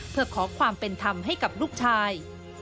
เพื่อขอความเป็นธรรมให้กับลูกชาย